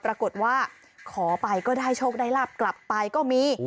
ปรากฏว่าขอไปก็ได้โชคได้ลาบกลับไปก็มี